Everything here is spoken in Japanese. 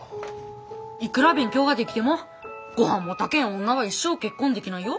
いくら勉強ができてもごはんも炊けん女は一生結婚できないよ。